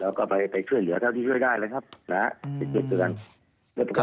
แล้วก็ไปช่วยเหลือเท่าที่ช่วยได้แล้วครับ